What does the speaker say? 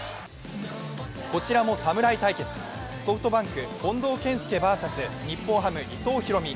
こちらも侍対決、ソフトバンク・近藤健介ＶＳ日本ハム・伊藤大海。